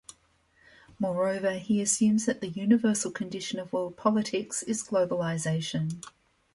Moreover, he assumes that the 'universal condition of world politics is globalization.